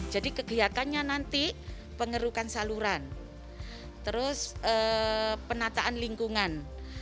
jadi kegiatannya nanti pengerukan saluran terus penataan lingkungan